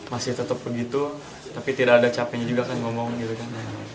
masih tetap begitu tapi tidak ada capeknya juga kan ngomong gitu kan